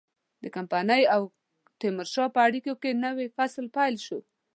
د کمپنۍ او تیمورشاه په اړیکو کې نوی فصل پیل شو.